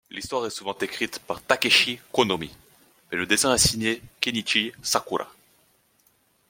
L'histoire est toujours écrite par Takeshi Konomi, mais le dessin est signé Kenichi Sakura.